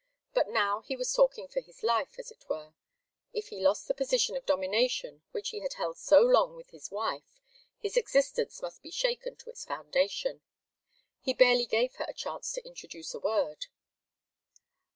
But now he was talking for his life, as it were. If he lost the position of domination which he had held so long with his wife, his existence must be shaken to its foundation. He barely gave her a chance to introduce a word.